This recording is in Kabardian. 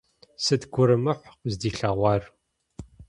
Сыт гурымыхьу къыздилъэгъуар?